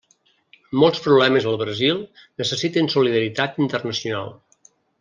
Molts problemes al Brasil necessiten solidaritat internacional.